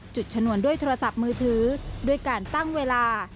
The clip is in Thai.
ชนวนด้วยโทรศัพท์มือถือด้วยการตั้งเวลา